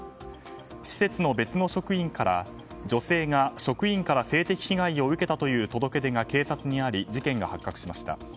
施設の別の職員から女性が職員から性的被害を受けたという届け出が警察にあり事件が発覚しました。